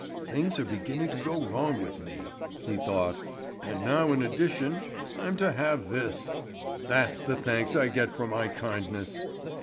"Things are beginning to go wrong with me," he thought. "And now in addition I'm to have this! That's the thanks I get for my kindness!"